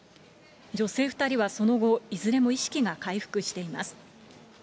女性２人はその後、いずれも意識が回復しています。